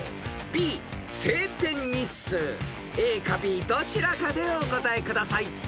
［ＡかＢどちらかでお答えください］